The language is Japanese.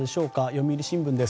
読売新聞。